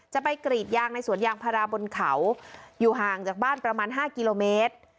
จะไปกรีดยางในสวนยางพาราบนเขาอยู่ห่างจากบ้านประมาณ๕กิโลเมตร